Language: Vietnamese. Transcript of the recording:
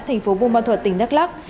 thành phố buôn ban thuật tỉnh đắk lắc